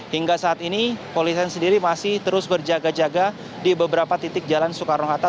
hingga saat ini polisian sendiri masih terus berjaga jaga di beberapa titik jalan soekarno hatta